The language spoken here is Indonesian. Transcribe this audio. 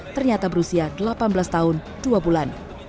ternyata berusia delapan belas tahun dua bulan